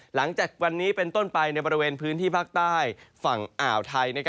หลังจากวันนี้เป็นต้นไปในบริเวณพื้นที่ภาคใต้ฝั่งอ่าวไทย